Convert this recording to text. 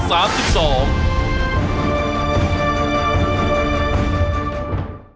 โปรดติดตามตอนต่อไป